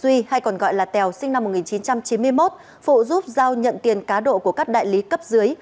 duy hay còn gọi là tèo sinh năm một nghìn chín trăm chín mươi một phụ giúp giao nhận tiền cá độ của các đại lý cấp dưới